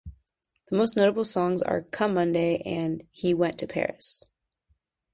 The most notable songs are "Come Monday" and "He Went to Paris".